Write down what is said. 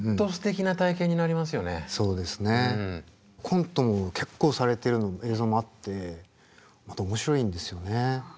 コントも結構されてる映像もあってまた面白いんですよね。